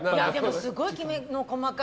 すごいきめの細かい。